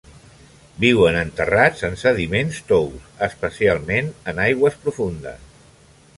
Viuen enterrats en sediments tous, especialment en aigües profundes.